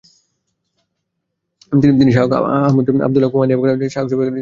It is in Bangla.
তিনি শায়খ আবদুল্লাহ খুওয়ানি এবং শায়খ হাসান সিমনানির সাথে যুক্ত ছিলেন।